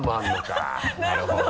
なるほどね。